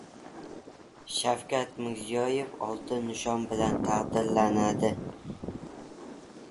Shavkat Mirziyoyev oltin nishon bilan taqdirlanadi